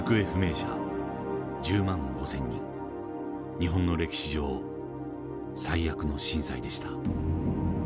日本の歴史上最悪の震災でした。